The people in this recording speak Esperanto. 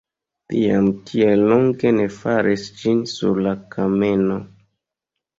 Vi jam tiel longe ne faris ĝin sur la kameno!